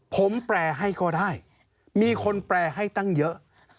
ผมแปลให้ก็ได้มีคนแปลให้ตั้งเยอะ